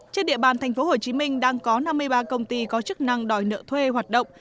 trên địa bàn tp hcm đang có năm mươi ba công ty có chức năng đòi nợ thuê hoạt động